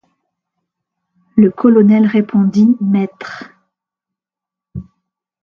Le colonel répondit mètres.